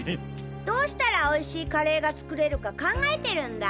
どうしたら美味しいカレーが作れるか考えてるんだ。